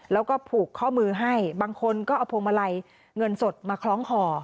แล้วก็ผูกข้อมือให้บางคนก็เอาพวงมาลัยเงินสดมาคล้องห่อ